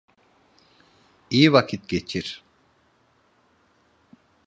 İyi vakit geçir.